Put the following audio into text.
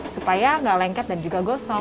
supaya nggak lengket dan juga gosong